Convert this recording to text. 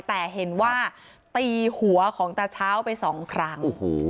แต่เห็นว่าตีหัวของตาเช้าไปสองครั้ง